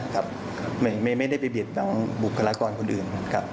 ไม่ได้ไปบิดบุคลากรคนอื่น